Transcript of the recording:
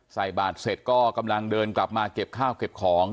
ใส่บาทเสร็จก็กำลังเดินกลับมาเก็บข้าวเก็บของ